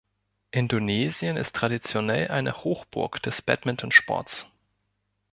Indonesien ist traditionell eine Hochburg des Badmintonsports.